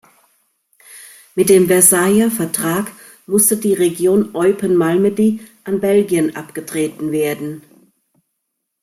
Mit dem Versailler Vertrag musste die Region Eupen-Malmedy an Belgien abgetreten werden.